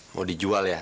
mau dijual ya